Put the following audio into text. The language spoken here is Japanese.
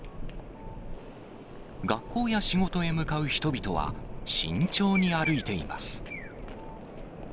学校や仕事へ向かう人々は、慎重に歩いています。